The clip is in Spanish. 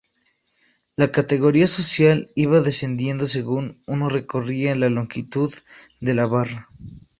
La categoría social iba descendiendo según uno recorría la longitud de la barra.